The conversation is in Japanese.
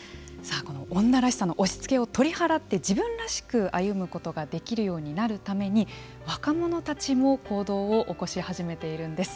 女らしさを取り払って自分らしく歩むことができるようになるために若者たちも行動を起こし始めているんです。